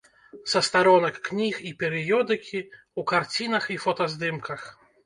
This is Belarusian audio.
Са старонак кніг і перыёдыкі, у карцінах і фотаздымках.